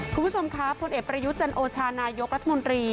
คุณผู้ชมครับพลเอกประยุทธ์จันโอชานายกรัฐมนตรี